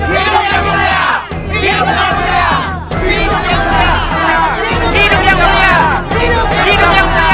hidup yang mulia